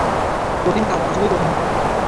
কঠিন কাজ, আসলেই কঠিন।